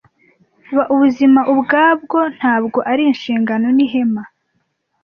Ba Ubuzima ubwabwo, ntabwo ari inshingano n'ihema,